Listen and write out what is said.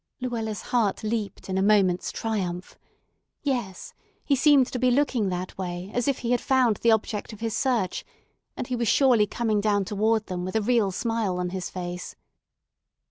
Luella's heart leaped in a moment's triumph. Yes, he seemed to be looking that way as if he had found the object of his search, and he was surely coming down toward them with a real smile on his face.